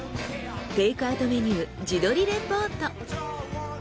テークアウトメニュー自撮りレポート。